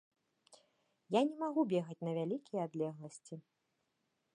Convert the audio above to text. Я не магу бегаць на вялікія адлегласці.